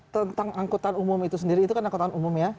tentang angkutan umum itu sendiri itu kan angkutan umum ya